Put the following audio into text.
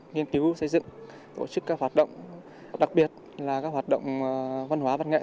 nghiên cứu xây dựng tổ chức các hoạt động đặc biệt là các hoạt động văn hóa văn nghệ